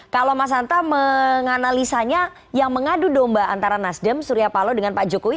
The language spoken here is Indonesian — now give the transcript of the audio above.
kalau mas hanta menganalisanya yang mengadu domba antara nasdem surya palo dengan pak jokowi